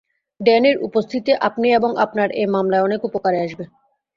ড্যানির উপস্থিতি আপনি এবং আপনার এই মামলায় অনেক উপকারে আসবে।